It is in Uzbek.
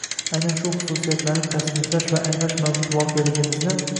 Aynan shu xususiyatlarni tasniflash va anglash mavjud voqeligimizni